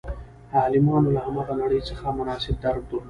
عالمانو له هماغه نړۍ څخه مناسب درک درلود.